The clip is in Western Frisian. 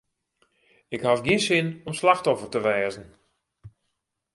Ik haw gjin sin om slachtoffer te wêze.